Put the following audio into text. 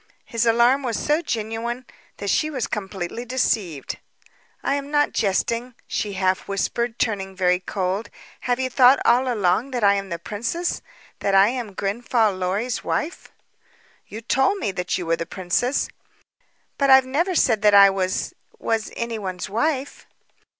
His alarm was so genuine that she was completely deceived. "I am not jesting," she half whispered, turning very cold. "Have you thought all along that I am the princess that I am Grenfall Lorry's wife?" "You told me that you were the princess." "But I've never said that I was was anyone's wife."